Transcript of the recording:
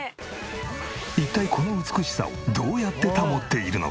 一体この美しさをどうやって保っているのか？